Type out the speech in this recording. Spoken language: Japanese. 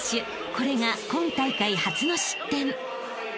これが今大会初の失点］